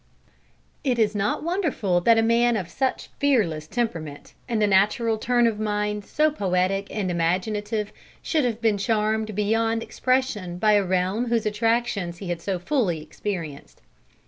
It is not wonderful that a man of such fearless temperament, and a natural turn of mind so poetic and imaginative, should have been charmed beyond expression by a realm whose attractions he had so fully experienced.